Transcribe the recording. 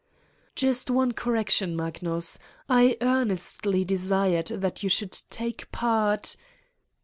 ' "Just one correction, Magnus: I earnestly de sired that you should take part